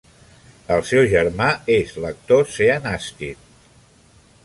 El seu germà és l'actor Sean Astin.